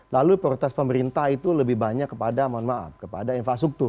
lalu prioritas pemerintah itu lebih banyak kepada mohon maaf